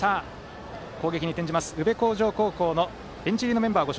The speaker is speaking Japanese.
攻撃に転じます宇部鴻城高校のベンチ入りのメンバーです。